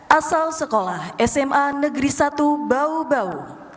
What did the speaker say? asal sekolah sma negeri satu bau bau